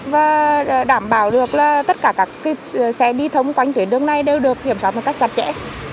và đảm bảo được tất cả các xe đi thông quanh tuyến đường này đều được kiểm soát một cách chặt chẽ